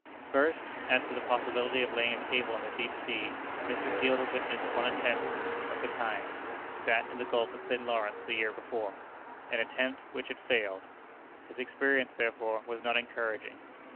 First, as to the possibility of laying a cable in the deep sea, Mr. Field had witnessed one attempt of the kind that in the Gulf of St. Lawrence the year before an attempt which had failed. His experience, therefore, was not encouraging.